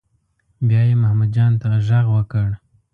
بیا یې محمود جان ته غږ وکړ.